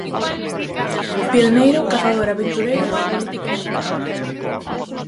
Pioneiro, cazador, aventureiro e político americano.